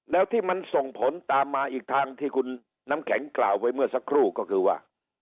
แล้วที่มันส่งผลตามมาอีกทางที่คุณน้ำแข็งกล่าวไว้เมื่อสักครู่ก็คือว่า